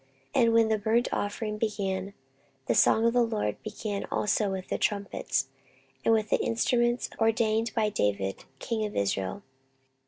And when the burnt offering began, the song of the LORD began also with the trumpets, and with the instruments ordained by David king of Israel.